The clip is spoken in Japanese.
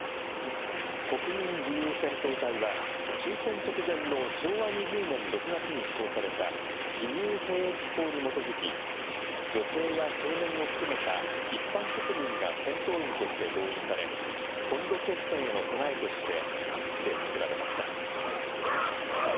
国民義勇戦闘隊は終戦直前の昭和２０年６月に施行された、義勇兵役法に基づき、女性や少年を含めた一般国民が戦闘員として動員され、本土決戦への備えとして、各地で作られました。